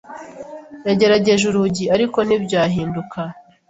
yagerageje urugi, ariko ntibyahinduka.